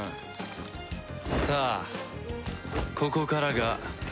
さあここからが。